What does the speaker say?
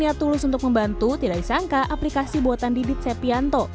yang tulus untuk membantu tidak disangka aplikasi buatan didit sepianto